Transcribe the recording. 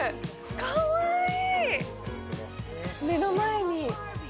かわいい。